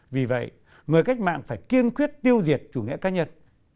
vì vậy người cách mạng phải kiên quyết tiêu diệt chủ nghĩa cá nhân